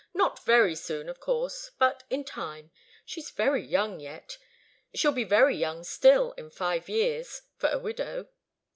Not very soon, of course but in time. She's very young yet. She'll be very young still in five years for a widow."